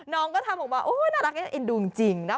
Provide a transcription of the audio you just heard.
น้องก็ทำออกมาโอ้น่ารักน่าเอ็นดูจริงนะ